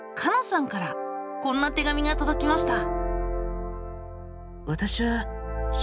さんからこんな手紙がとどきました。